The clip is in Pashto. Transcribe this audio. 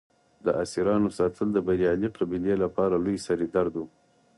د اسیرانو ساتل د بریالۍ قبیلې لپاره لوی سر درد و.